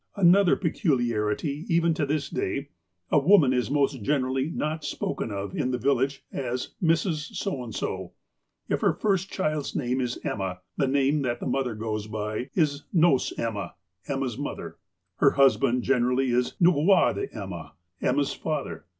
Another peculiarity even to this day : A woman is most generally not sj)oken of in the village as " Mrs. So and So." If her first child's name is ''Emma," the name that the mother goes by is "Nos Emma" (Emma's mother). Her husband generally is "l^ugwahd Emma" (Emma's father).